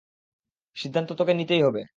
সিদ্ধান্ত তোকেই নিতে হবে।